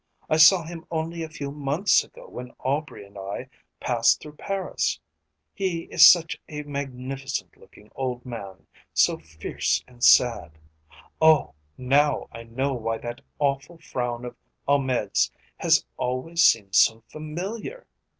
I saw him only a few months ago when Aubrey and I passed through Paris. He is such a magnificent looking old man, so fierce and sad. Oh, now I know why that awful frown of Ahmed's has always seemed so familiar.